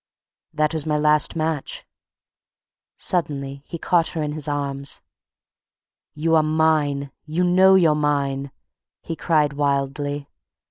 "That was my last match." Suddenly he caught her in his arms. "You are mine—you know you're mine!" he cried wildly...